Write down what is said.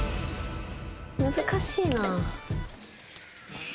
難しいな。